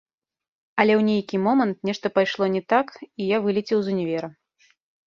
Але ў нейкі момант нешта пайшло не так, і я вылецеў з універа.